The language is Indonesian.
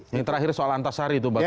ini terakhir soal antasari itu mbak